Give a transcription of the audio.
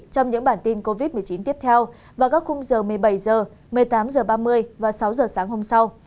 trong những bản tin covid một mươi chín tiếp theo vào các khung giờ một mươi bảy h một mươi tám h ba mươi và sáu h sáng hôm sau